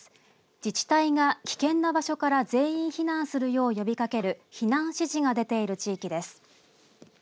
自治体が危険な場所から全員避難するよう呼びかける避難指示が出ている地域です。